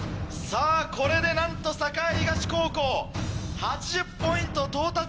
これでなんと栄東高校８０ポイント到達。